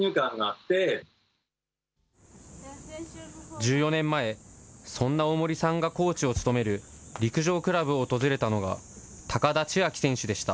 １４年前、そんな大森さんがコーチを務める陸上クラブを訪れたのが、高田千明選手でした。